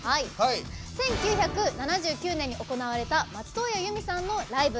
１９７９年に行われた松任谷由実さんのライブ。